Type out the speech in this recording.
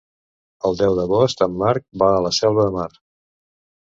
El deu d'agost en Marc va a la Selva de Mar.